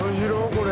これ。